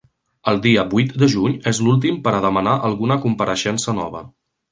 El dia vuit de juny és l’últim per a demanar alguna compareixença nova.